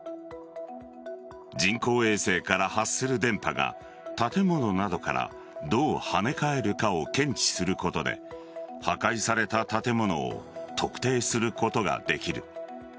人工衛星から発する電波が建物などからどう跳ね返るかを検知することで破壊された建物を特定することができる。